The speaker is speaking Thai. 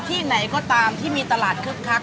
ที่ไหนก็ตามที่มีตลาดคึกคัก